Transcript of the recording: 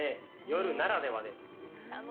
夜ならではです。